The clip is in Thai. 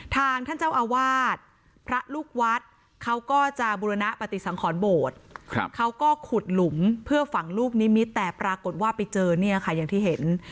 ทางท่านเจ้าอาวาสพระลูกวัดเขาก็จะบุรณปฏิสังขรโบสถ์เขาก็ขุดหลุมเพื่อฝังลูกนิมิตแต่ปรากฏว่าไปเจอเนี่ยค่ะอย่างที่เห็น